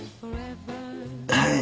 はい。